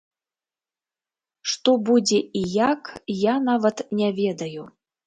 Што будзе і як, я нават не ведаю.